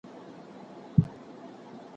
که جهیز کم شي نو پلار نه پوروړی کیږي.